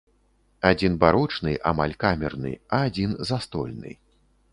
Адзін барочны, амаль камерны, а адзін застольны.